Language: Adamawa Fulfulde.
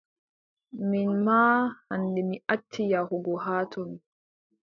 Min maa hannde mi acci yahugo haa ton.